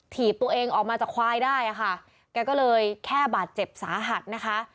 ถีบตัวเองออกมาจากควายได้อ่ะค่ะแกก็เลยแค่บาดเจ็บสาหัสนะคะ